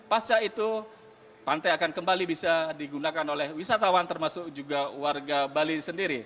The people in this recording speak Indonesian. pasca itu pantai akan kembali bisa digunakan oleh wisatawan termasuk juga warga bali sendiri